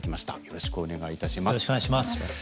よろしくお願いします。